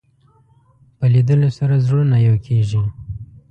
په لیدلو سره زړونه یو کېږي